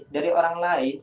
dari orang lain